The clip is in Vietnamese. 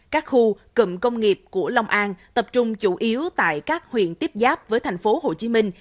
các khu cụm công nghiệp của long an tập trung chủ yếu tại các huyện tiếp giáp với thành phố hồ chí minh